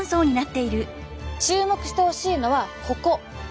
注目してほしいのはここ。